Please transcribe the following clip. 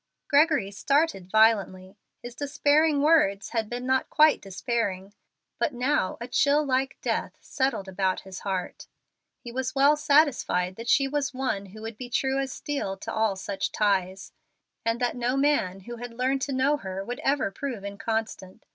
Gregory started violently. His despairing words had been not quite despairing. But now a chill like death settled about his heart. He was well satisfied that she was one who would be true as steel to all such ties, and that no man who had learned to know her would ever prove inconstant.